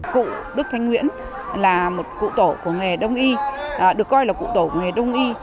cụ đức thanh nguyễn là một cụ tổ của nghề đông y được coi là cụ tổ của nghề đông y